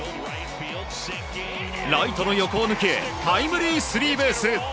ライトの横を抜けタイムリースリーベース。